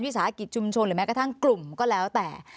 สาหกิจชุมชนหรือแม้กระทั่งกลุ่มก็แล้วแต่